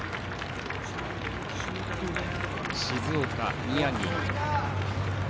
静岡、宮城。